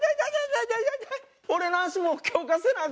俺の足も強化せなあ